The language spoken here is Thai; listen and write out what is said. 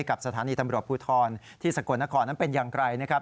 กับสถานีธรรมบุรุษธรที่สะกดนครนั้นเป็นอย่างไกลนะครับ